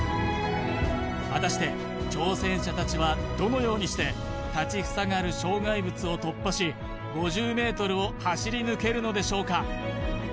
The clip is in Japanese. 果たして挑戦者たちはどのようにして立ちふさがる障害物を突破し５０ｍを走り抜けるのでしょうか？